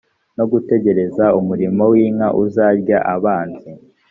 no gutegereza umuriro w inkazi uzarya abanzi